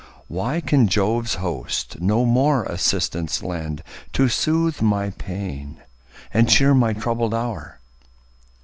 Why can Jove's host no more assistance lend, To soothe my pains, and cheer my troubled hour?